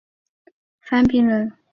范平人。